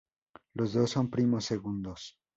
Los dos son primos segundos.